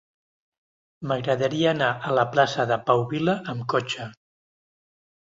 M'agradaria anar a la plaça de Pau Vila amb cotxe.